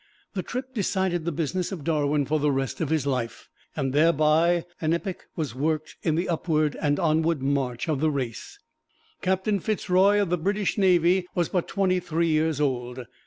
The trip decided the business of Darwin for the rest of his life, and thereby an epoch was worked in the upward and onward march of the race. Captain Fitz Roy of the British Navy was but twenty three years old.